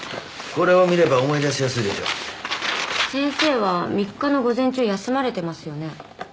これを見れば思い出しやすいでしょう先生は３日の午前中休まれてますよね